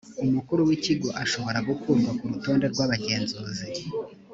umukuru wikigo ashobora gukurwa ku rutonde rw abagenzuzi